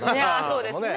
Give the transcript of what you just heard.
そうですね。